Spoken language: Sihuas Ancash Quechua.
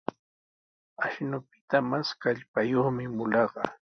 Ashnupita mas kallpayuqmi mulaqa.